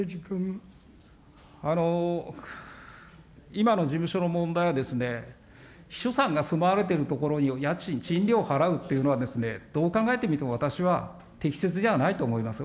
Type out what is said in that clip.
今の事務所の問題はですね、秘書さんが住まわれている所に家賃、賃料を払うっていうのは、どう考えてみても、私は適切じゃないと思います。